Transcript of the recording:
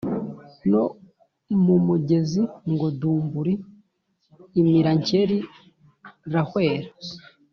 no mu mugezi ngo « dumbuli!» imira nkeli, rahwera.